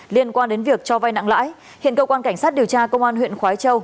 liên quan đến việc cho vai nặng lãi hiện cơ quan cảnh sát điều tra công an huyện khói châu